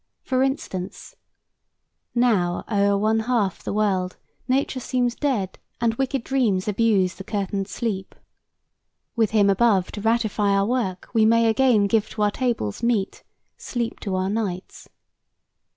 For instance: "Now o'er one half the world Nature seems dead, and wicked dreams abuse The curtained sleep." "With Him above To ratify our work, we may again Give to our tables meat, sleep to our nights."